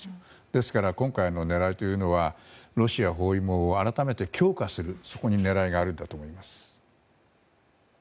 ですから、今回の狙いというのはロシア包囲網を改めて強化する、そこに狙いがあるんだと思います。